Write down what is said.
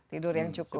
tidur yang cukup